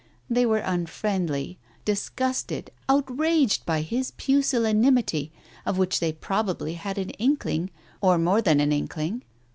They were unfriendly; dis gusted, outraged by his pusillanimity, of which they probably had an inkling, or more than an inkling.